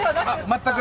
全く。